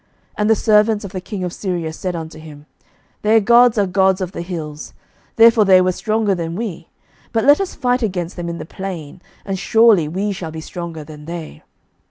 11:020:023 And the servants of the king of Syria said unto him, Their gods are gods of the hills; therefore they were stronger than we; but let us fight against them in the plain, and surely we shall be stronger than they.